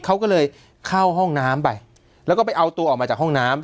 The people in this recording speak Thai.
เขาก็เลยเข้าห้องน้ำไปแล้วก็ไปเอาตัวออกมาจากห้องน้ำ